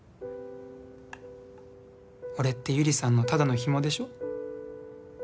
俺って百合さんのただのヒモでしょ？